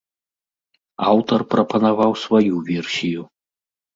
Аўтар прапанаваў сваю версію.